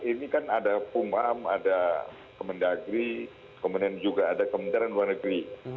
ini kan ada pumam ada kemendagri kemudian juga ada kementerian luar negeri